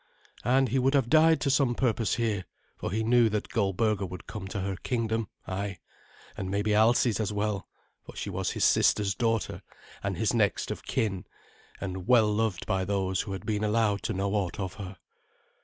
And he would have died to some purpose here, for he knew that Goldberga would come to her kingdom, ay, and maybe Alsi's as well, for she was his sister's daughter, and his next of kin, and well loved by those who had been allowed to know aught of her.